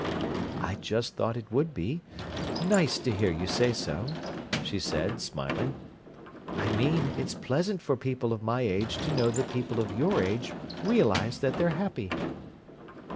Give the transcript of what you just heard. "I just thought it would be nice to hear you say so," she said, smiling. "I mean, it's pleasant for people of my age to know that people of your age realize that they're happy."